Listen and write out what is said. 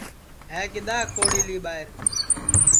ہے کِدؔا کوڑھیلی ٻائیر